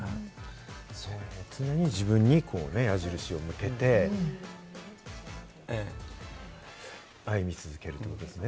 常に自分に矢印を向けて、歩み続けるということですね。